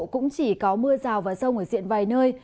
cũng chỉ có mưa rào và rông ở diện vài nơi